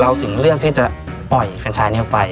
ถึงเลือกที่จะปล่อยแฟนชายนี้ออกไป